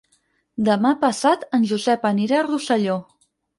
Demà passat en Josep anirà a Rosselló.